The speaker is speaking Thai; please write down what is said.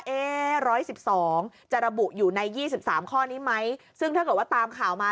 ๑๑๒จะระบุอยู่ใน๒๓ข้อนี้ไหมซึ่งถ้าเกิดว่าตามข่าวมา